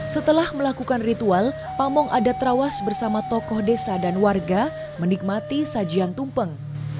setelah melakukan ritual pamong adat trawas bersama tokoh desa dan warga menikmati sajian tumpeng